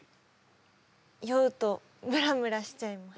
酔うとムラムラしちゃいます